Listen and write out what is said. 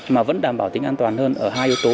mà vẫn đảm bảo tính an toàn hơn ở hai yếu tố